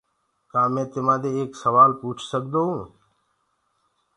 ڪآ مينٚ تمآ دي ايڪ سوآل پوڇ سڪدو هونٚ؟